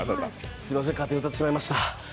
すみません、勝手に歌ってしまいました。